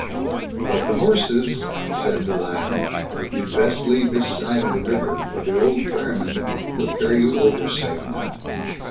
"But the horses", said the lad "you'd best leave this side the river; for the old ferryman, he'll carry you over safe enough."